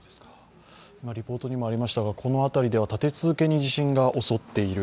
今、リポートにもありましたが、この辺りでは立て続けに地震が起こっている。